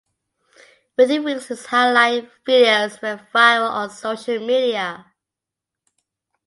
Within weeks his highlight videos went viral on social media.